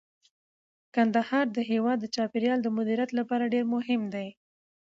کندهار د هیواد د چاپیریال د مدیریت لپاره ډیر مهم دی.